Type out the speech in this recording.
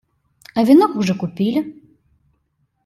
А венок уже купили.